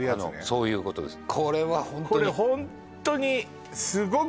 そういうことです